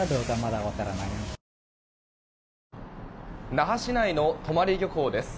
那覇市内の泊漁港です。